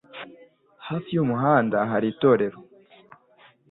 Hafi y'umuhanda hari itorero.